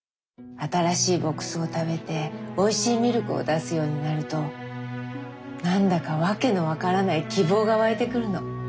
新しい牧草を食べておいしいミルクを出すようになると何だか訳の分からない希望が湧いてくるの。